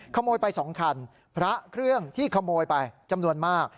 ขโมยไป๒คันพระเครื่องที่ขโมยไปจำนวนมาก